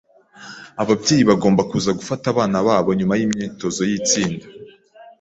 Ababyeyi bagomba kuza gufata abana babo nyuma yimyitozo yitsinda.